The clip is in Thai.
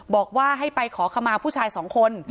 บอกว่าให้ไปขอขมาผู้ชายสองคน